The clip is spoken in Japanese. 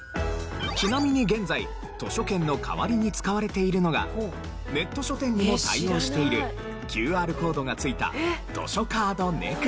ちなみに現在図書券の代わりに使われているのがネット書店にも対応しているＱＲコードがついた図書カードＮＥＸＴ。